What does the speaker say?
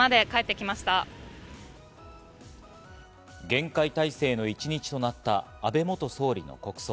厳戒態勢の一日となった安倍元総理の国葬。